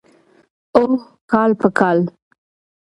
اوح کال په کال.